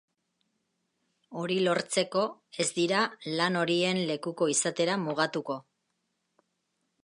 Hori lortzeko ez dira lan horien lekuko izatera mugatuko.